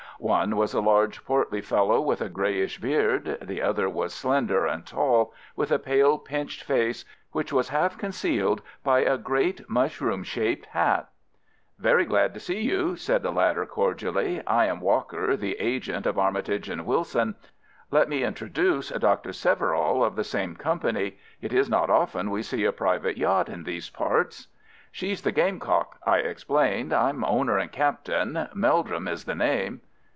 One was a large portly fellow with a greyish beard. The other was slender and tall, with a pale pinched face, which was half concealed by a great mushroom shaped hat. "Very glad to see you," said the latter, cordially. "I am Walker, the agent of Armitage and Wilson. Let me introduce Dr. Severall of the same company. It is not often we see a private yacht in these parts." "She's the Gamecock," I explained. "I'm owner and captain—Meldrum is the name."